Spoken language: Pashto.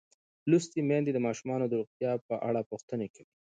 لوستې میندې د ماشومانو د روغتیا په اړه پوښتنې کوي.